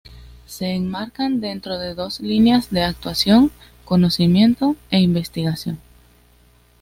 Se enmarcan dentro de dos líneas de actuación: conocimiento e investigación.